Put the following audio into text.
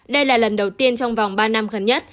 đây là lần đầu tiên trong vòng ba năm gần nhất